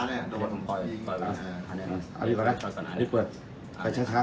ส่วนสุดท้ายส่วนสุดท้าย